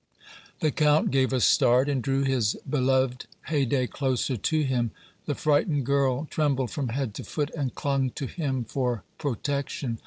The Count gave a start and drew his beloved Haydée closer to him; the frightened girl trembled from head to foot and clung to him for protection.